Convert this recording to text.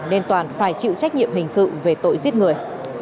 nên toàn phải chịu trách nhiệm hình sự về tội giết người